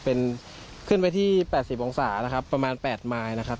เป็นขึ้นไปที่๘๐องศานะครับประมาณ๘ไม้นะครับ